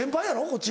こっち。